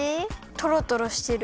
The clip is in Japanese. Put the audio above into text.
トロトロしてる。